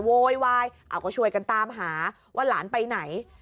โวยวายเอาก็ช่วยกันตามหาว่าหลานไปไหน